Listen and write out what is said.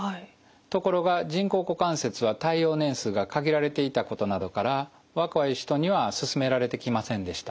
ところが人工股関節は耐用年数が限られていたことなどから若い人には勧められてきませんでした。